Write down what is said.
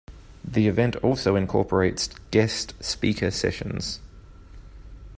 The event also incorporates guest speaker sessions.